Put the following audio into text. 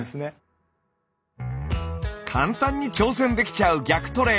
簡単に挑戦できちゃう逆トレ。